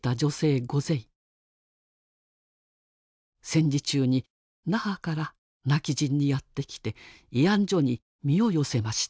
戦時中に那覇から今帰仁にやって来て慰安所に身を寄せました。